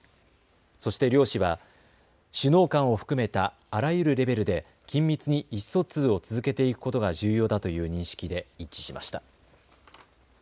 そして両氏は首脳間を含めたあらゆるレベルで緊密に意思疎通を続けていくことが重要だという認識で一致しました。